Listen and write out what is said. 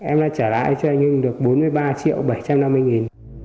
em đã trả lại cho anh hưng được bốn mươi ba triệu bảy trăm năm mươi nghìn